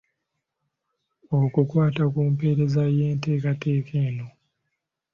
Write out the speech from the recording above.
Okukwata ku mpeereza y'enteekateeka eno.